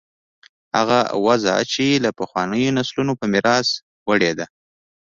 هغه وضع چې له پخوانیو نسلونو په میراث وړې ده.